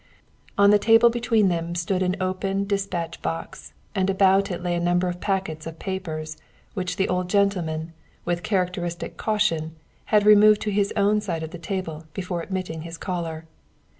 On the table between them stood an open despatch box, and about it lay a number of packets of papers which the old gentleman, with characteristic caution, had removed to his own side of the table before admitting his caller.